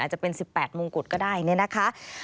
จะเป็น๑๘มงกุฎก็ได้เนี่ยนะคะ